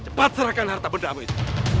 cepat serahkan harta bendamu itu